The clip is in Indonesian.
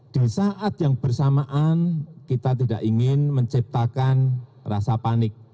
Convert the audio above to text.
di saat yang bersamaan kita tidak ingin menciptakan rasa panik